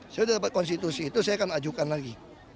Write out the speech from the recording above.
saya sudah dapat konstitusi itu saya akan ajukan lagi